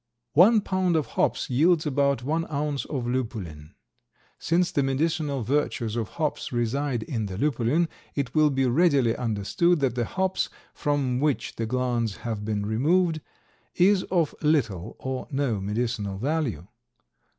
One pound of hops yields about one ounce of lupulin. Since the medicinal virtues of hops reside in the lupulin it will be readily understood that the hops from which the glands have been removed is of little or no medicinal value.